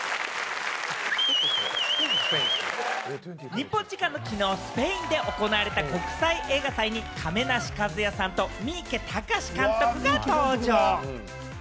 日本時間のきのうスペインで行われた国際映画祭に亀梨和也さんと三池崇史監督が登場。